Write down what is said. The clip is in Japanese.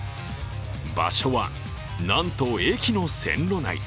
場所は、なんと駅の線路内。